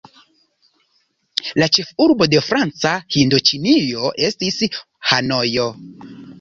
La ĉefurbo de Franca Hindoĉinio estis Hanojo.